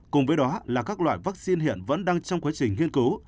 cùng với đó là các loại vaccine hiện vẫn đang trong quá trình nghiên cứu